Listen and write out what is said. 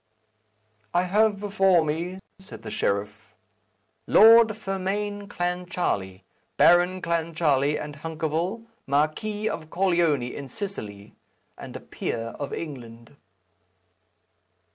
"I have before me," said the sheriff, "Lord Fermain Clancharlie, Baron Clancharlie and Hunkerville, Marquis of Corleone in Sicily, and a peer of England."